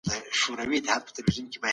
خپل ذهن به په نوي علومو سمبالوئ.